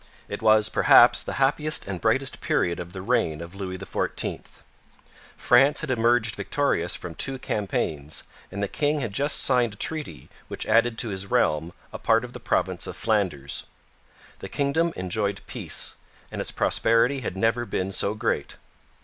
It was perhaps the happiest and brightest period of the reign of Louis XIV. France had emerged victorious from two campaigns, and the king had just signed a treaty which added to his realm a part of the province of Flanders. The kingdom enjoyed peace, and its prosperity had never been so great.